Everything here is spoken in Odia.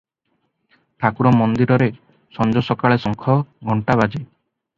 ଠାକୁର ମନ୍ଦିରରେ ସଞ୍ଜ ସକାଳେ ଶଙ୍ଖ, ଘଣ୍ଟାବାଜେ ।